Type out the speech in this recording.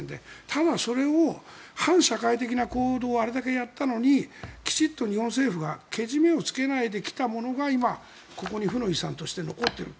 ただ、それを反社会的な行動をあれだけやったのにきちんと日本政府がけじめをつけないできたのが今、ここに負の遺産として残っている。